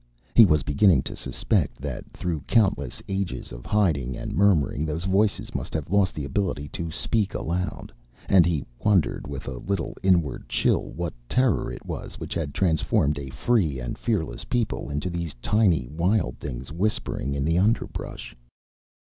He was beginning to suspect that through countless ages of hiding and murmuring those voices must have lost the ability to speak aloud. And he wondered with a little inward chill what terror it was which had transformed a free and fearless people into these tiny wild things whispering in the underbrush.